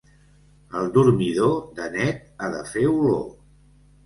El dormidor, de net ha de fer olor.